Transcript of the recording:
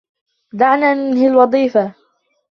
دعنا ننهي الوظيفة.